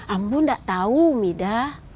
ambo gak tau mida